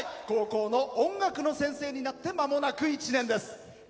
高校の音楽の先生になってまもなく１年です。